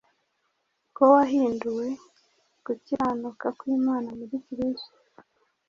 ko wahinduwe gukiranuka kw’Imana muri Kristo.